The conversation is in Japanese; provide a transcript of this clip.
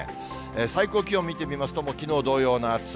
最高気温見てみますと、きのう同様の暑さ。